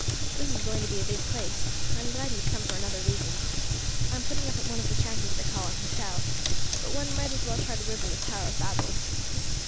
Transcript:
This is going to be a big place. I am glad you have come for another reason. I am putting up at one of the shanties they call an hotel, but one might as well try to live in the Tower of Babel.